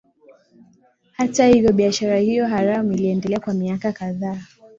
Hata hivyo biashara hiyo haramu iliendelea kwa miaka kadhaa